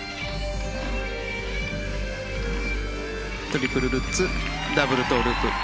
トリプルルッツダブルトウループ。